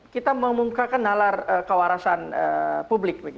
kita memungkakan nalar kewarasan publik